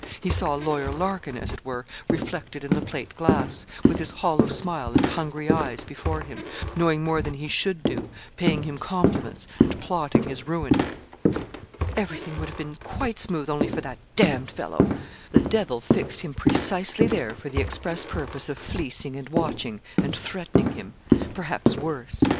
He saw Lawyer Larkin, as it were, reflected in the plate glass, with his hollow smile and hungry eyes before him, knowing more than he should do, paying him compliments, and plotting his ruin. 'Everything would have been quite smooth only for that d fellow. The Devil fixed him precisely there for the express purpose of fleecing and watching, and threatening him perhaps worse.